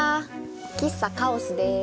喫茶カオスです。